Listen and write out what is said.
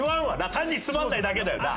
単につまらないだけだよな。